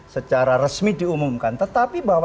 secara resmi diumumkan tetapi bahwa